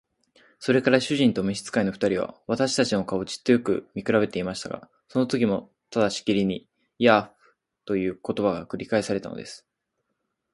それから主人と召使の二人は、私たちの顔をじっとよく見くらべていましたが、そのときもまたしきりに「ヤーフ」という言葉が繰り返されたのです。